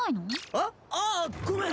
あっ？ああごめん。